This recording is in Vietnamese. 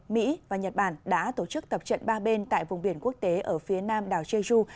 mỹ và nhật bản đã tổ chức tập trận ba bên tại vùng biển quốc tế ở phía nam đảo jeju